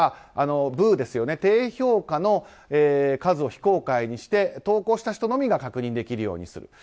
ＹｏｕＴｕｂｅは低評価の数を非公開にして投稿した人のみが確認できるようにする。